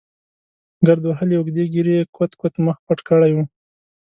ګرد وهلې اوږدې ږېرې یې کوت کوت مخ پټ کړی و.